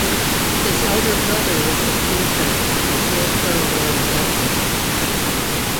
His elder brother was the painter Pietro Lorenzetti.